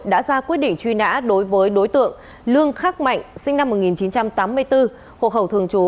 đã ra quyết định truy nã đối với đối tượng lương khắc mạnh sinh năm một nghìn chín trăm tám mươi bốn hộ khẩu thường trú